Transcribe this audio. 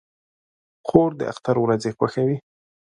خور د اختر ورځې خوښوي.